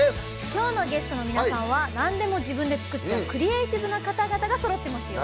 きょうのゲストの皆さんはなんでも自分で作っちゃうクリエイティブな方々がそろってますよ。